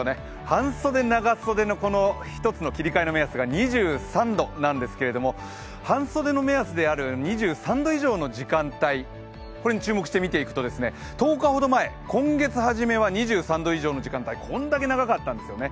半袖、長袖の１つの切りかえの目安が２３度なんですけど半袖の目安である２３度以上の時間帯、これに注目して見ていくと今月は２３度以上の時間帯、これだけ長かったんですね。